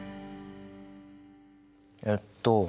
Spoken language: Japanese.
えっと